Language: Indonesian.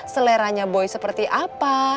seleranya boy seperti apa